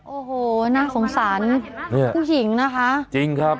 โอ้โหน่าสงสารผู้หญิงนะคะจริงครับ